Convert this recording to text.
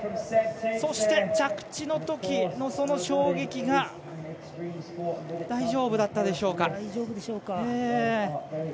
そして、着地のときの衝撃が大丈夫だったでしょうか。